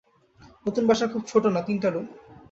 নতুন বাসা খুব ছোট না-তিনটা রুম।